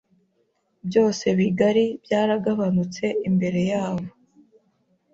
byose bigari byaragabanutse Imbere yabo